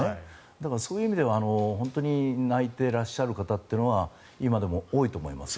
だからそういう意味では本当に泣いてらっしゃる方は今でも多いと思います。